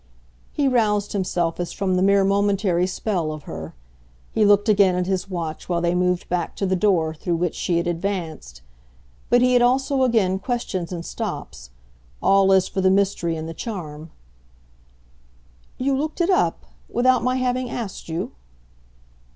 He roused himself as from the mere momentary spell of her; he looked again at his watch while they moved back to the door through which she had advanced. But he had also again questions and stops all as for the mystery and the charm. "You looked it up without my having asked you?"